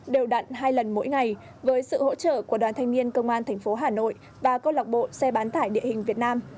đều đặn hai lần mỗi ngày với sự hỗ trợ của đoàn thanh niên công an tp hà nội và câu lọc bộ xe bán tải địa hình việt nam